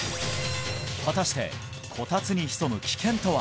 果たしてこたつに潜む危険とは！？